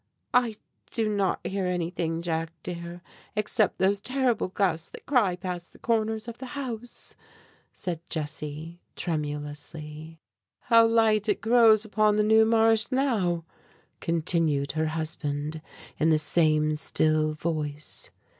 "I do not hear anything, Jack, dear, except these terrible gusts that cry past the corners of the house," said Jessie, tremulously. "How light it grows upon the New Marsh, now!" continued her husband, in the same still voice.